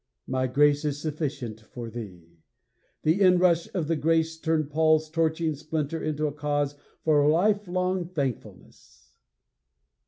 My grace is sufficient for thee the inrush of the grace turned Paul's torturing splinter into a cause for life long thankfulness!